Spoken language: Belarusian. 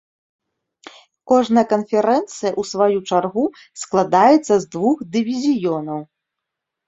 Кожная канферэнцыя ў сваю чаргу складаецца з двух дывізіёнаў.